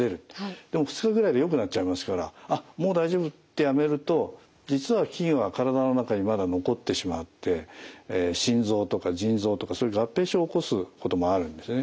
でも２日ぐらいでよくなっちゃいますから「あっもう大丈夫」ってやめると実は菌は体の中にまだ残ってしまって心臓とか腎臓とかそういう合併症を起こすこともあるんですね。